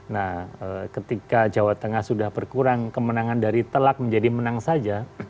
nah ketika jawa tengah sudah berkurang kemenangan dari telak menjadi menang saja